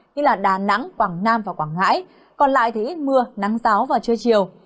như đà nẵng quảng nam và quảng ngãi còn lại thì ít mưa nắng giáo vào trưa chiều